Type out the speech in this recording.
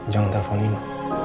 jangan telfon ino